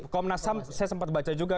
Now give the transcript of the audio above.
komnas ham saya sempat baca juga